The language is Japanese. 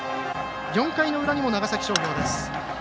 ４回の裏にも長崎商業です。